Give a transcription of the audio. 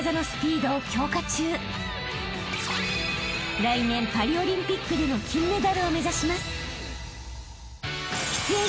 ［来年パリオリンピックでの金メダルを目指します］